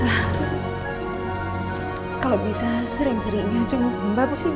hai kalau bisa sering sering ya cuma bambang aja ya